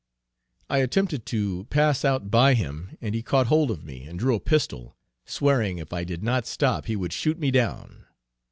I attempted to pass out by him, and he caught hold of me, and drew a pistol, swearing if I did not stop he would shoot me down.